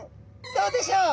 どうでしょう？